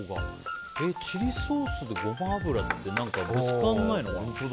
チリソースでゴマ油って何か、ぶつからないのかな？